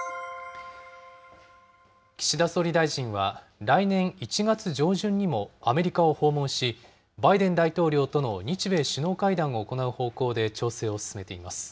岸田総理大臣は来年１月上旬にもアメリカを訪問し、バイデン大統領との日米首脳会談を行う方向で調整を進めています。